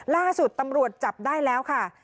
ล่าสุดตำรวจจับได้แล้วค่ะ